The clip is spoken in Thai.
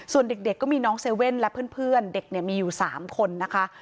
ส่วนเด็กก็มีน้องเซเว่นและเพื่อนเด็กมีอยู่๓คนนะคะ